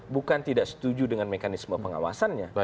bukan tidak setuju dengan mekanisme pengawasannya